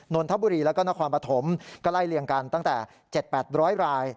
นนทบุรีแล้วก็นครปฐมก็ไล่เลี่ยงกันตั้งแต่๗๘๐๐ราย